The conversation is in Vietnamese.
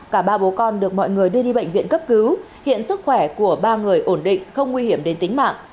cả ba bố con được mọi người đưa đi bệnh viện cấp cứu hiện sức khỏe của ba người ổn định không nguy hiểm đến tính mạng